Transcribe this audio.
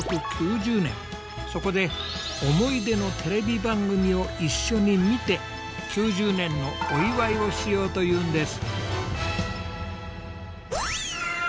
そこで思い出のテレビ番組を一緒に見て９０年のお祝いをしようというんです。